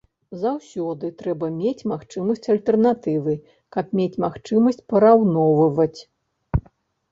Заўсёды трэба мець магчымасць альтэрнатывы, каб мець магчымасць параўноўваць.